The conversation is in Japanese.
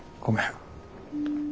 ごめん。